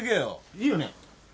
いいよね？